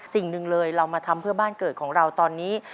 สิ่งหนึ่งเลยเรามาทำเพื่อบ้านเกิดของเราตอนนี้